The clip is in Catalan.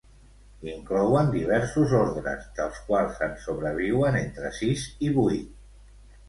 Inclouen diversos ordres, dels quals en sobreviuen entre sis i vuit.